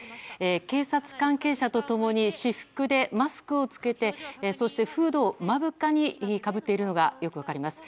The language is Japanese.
警察関係者と共に私服でマスクを着けてそして、フードを目深にかぶっているのがよく分かります。